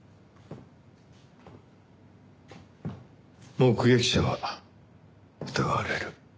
目撃者は疑われる。